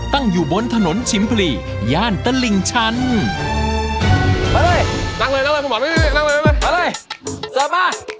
ตั้งอยู่บนถนนชิมพรี่ย่านตลิ่งชันมาเลยนั่งเลยนั่งเลยมาเลย